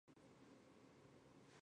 为松本市的。